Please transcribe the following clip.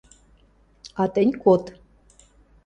А тӹнь код...